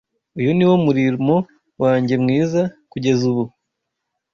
Uyu niwo murimo wanjye mwiza kugeza ubu.